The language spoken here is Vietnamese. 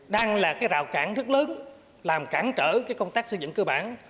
đang là cái rào cản rất lớn làm cản trở cái công tác xây dựng cơ bản